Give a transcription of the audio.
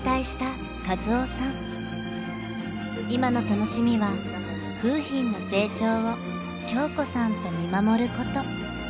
今の楽しみは楓浜の成長を京子さんと見守ること。